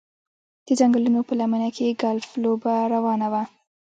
د ځنګلونو په لمنه کې ګلف لوبه روانه وه